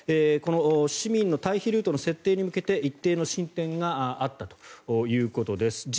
この市民の退避ルートの設定に向けて一定の進展があったということです。